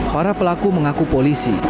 para pelaku mengaku polisi